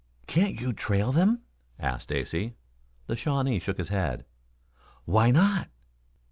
"Can't you trail them?" asked Stacy. The Shawnee shook his head. "Why not?"